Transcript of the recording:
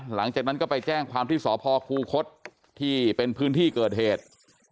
หลังจากนั้นก็ไปแจ้งความที่สพคูคศที่เป็นพื้นที่เกิดเหตุ